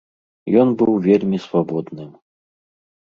Ён быў вельмі свабодным.